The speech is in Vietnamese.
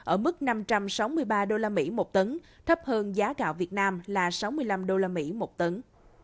ở mức năm trăm sáu mươi ba usd một tấn thấp hơn giá gạo việt nam là sáu mươi năm usd một tấn